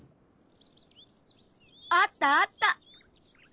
あったあった！